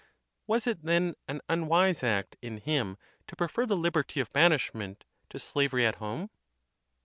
Was it, then, an unwise act in him to prefer the liberty of ban ishment to slavery at home?